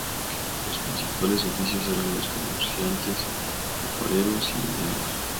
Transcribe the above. Los principales oficios eran los de comerciantes, alfareros y mineros.